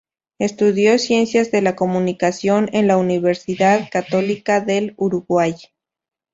Estudió ciencias de la comunicación en la Universidad Católica del Uruguay.